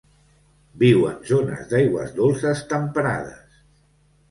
Viu en zones d'aigües dolces temperades.